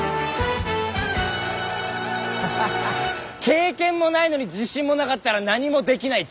経験もないのに自信もなかったら何もできない。